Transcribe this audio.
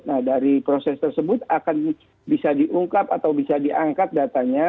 nah dari proses tersebut akan bisa diungkap atau bisa diangkat datanya